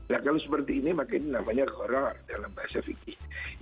nah kalau seperti ini makin namanya horror dalam bahasa fikih